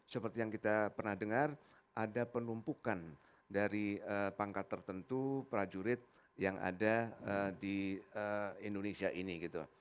seperti yang kita pernah dengar ada penumpukan dari pangkat tertentu prajurit yang ada di indonesia ini gitu